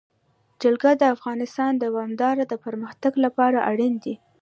جلګه د افغانستان د دوامداره پرمختګ لپاره اړین دي.